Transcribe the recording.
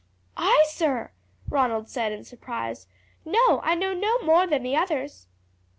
"I, sir!" Ronald said in surprise. "No, I know no more than the others."